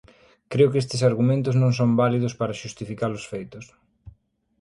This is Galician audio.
Creo que estes argumentos non son válidos para xustificar os feitos.